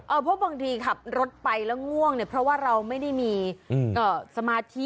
เพราะบางทีขับรถไปแล้วง่วงเนี่ยเพราะว่าเราไม่ได้มีสมาธิ